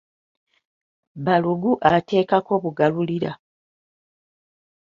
Balugu ateekako bugalulira.